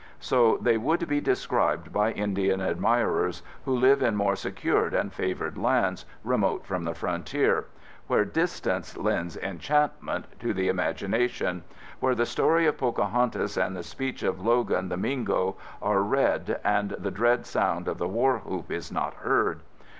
So they would be described by Indian admirers, who live in more secured and favored lands, remote from the frontier—where 'distance lends enchantment' to the imagination—where the story of Pocohantas and the speech of Logan, the Mingo, are read, and the dread sound of the warwhoop is not heard.